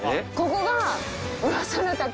ここが。